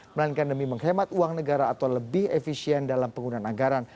melainkan demi menghemat uang negara atau lebih efisien dalam penggunaan anggaran